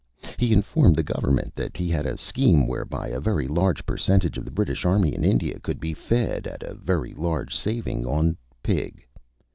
He informed the Government that he had a scheme whereby a very large percentage of the British Army in India could be fed, at a very large saving, on Pig.